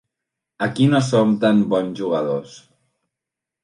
Aquí no som tan bons jugadors.